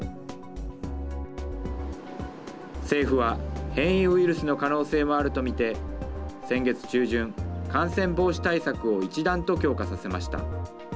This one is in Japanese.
政府は、変異ウイルスの可能性もあるとみて先月中旬、感染防止対策を一段と強化させました。